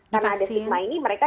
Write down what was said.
karena ada stigma ini mereka